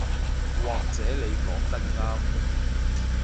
或者你講得啱